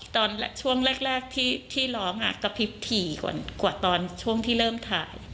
ตอนช่วงแรกแรกที่ที่ร้องอ่ะกระพริบถี่ก่อนกว่าตอนช่วงที่เริ่มถ่าย